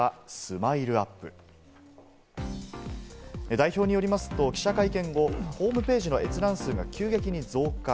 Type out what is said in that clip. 代表によりますと記者会見後、ホームページの閲覧数が急激に増加。